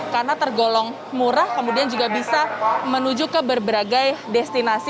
karena tergolong murah kemudian juga bisa menuju ke berbagai destinasi